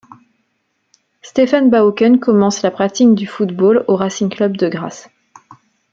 Stéphane Bahoken commence la pratique du football au Racing Club de Grasse.